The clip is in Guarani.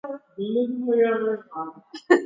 Aháta ajere pe kuarahýre ha ajujey pya'e porã.